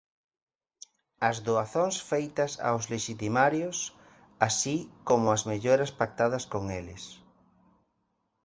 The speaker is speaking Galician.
As doazóns feitas aos lexitimarios, así como as melloras pactadas con eles.